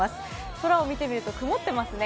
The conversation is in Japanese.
空を見てみると曇ってますね。